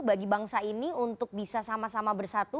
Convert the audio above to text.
bagi bangsa ini untuk bisa sama sama bersatu